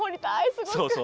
すごく。